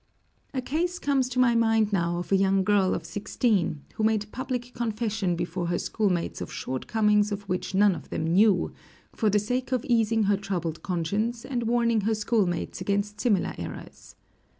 A case comes to my mind now of a young girl of sixteen, who made public confession before her schoolmates of shortcomings of which none of them knew, for the sake of easing her troubled conscience and warning her schoolmates against similar errors.